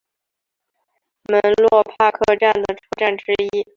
门洛帕克站的车站之一。